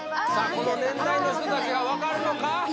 この年代の人達が分かるのか？